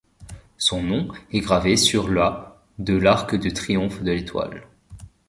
Son nom est gravé sur la de l'arc de triomphe de l'Étoile.